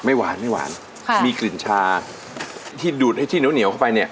ไม่หวานมีกลิ่นชาที่ดูดให้ที่เหนียวเข้าไปเนี่ย